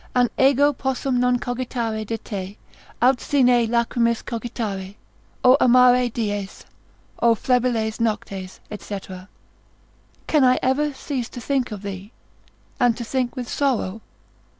an ego possum non cogitare de te, aut sine lachrymis cogitare? O amari dies, o flebiles noctes, &c. Can I ever cease to think of thee, and to think with sorrow?